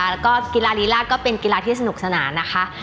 แล้วก็กีฬาลีลาก็เป็นกีฬาที่สนุกสนานนะคะ